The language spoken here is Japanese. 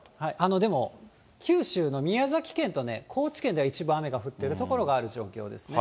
でも、九州の宮崎県と高知県では一部雨が降っている所がある状況ですね。